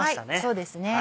そうですね。